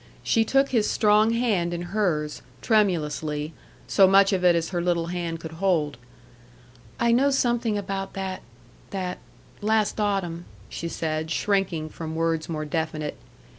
She took his strong hand in hers, tremulously, so much of it as her little hand could hold. "I know something about that that last autumn," she said, shrinking from words more definite.